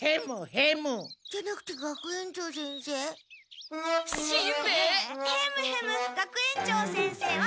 ヘムヘム学園長先生は？